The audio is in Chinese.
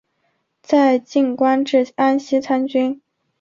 在晋官至安西参军。